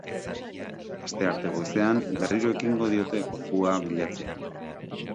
Astearte goizean, berriro ekingo diote gorpua bilatzeari.